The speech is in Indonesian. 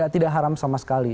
tidak haram sama sekali